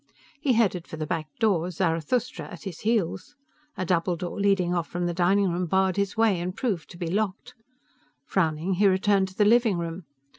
He headed for the back door, Zarathustra at his heels. A double door leading off the dining room barred his way and proved to be locked. Frowning, he returned to the living room.